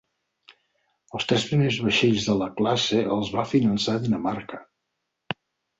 Els tres primers vaixells de la classe els va finançar Dinamarca.